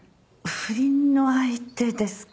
不倫の相手ですか。